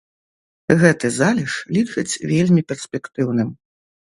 Гэты залеж лічаць вельмі перспектыўным.